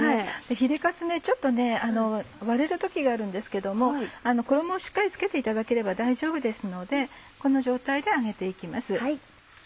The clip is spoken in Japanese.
ヒレカツちょっと割れる時があるんですけども衣をしっかり付けていただければ大丈夫ですのでこの状態で揚げて行きます。